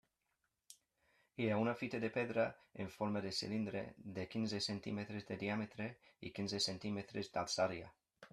Hi ha una fita de pedra en forma de cilindre de quinze centímetres de diàmetre i quinze centímetres d'alçària.